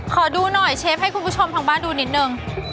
ขอดูหน่อยเชฟให้คุณผู้ชมทางบ้านดูนิดนึง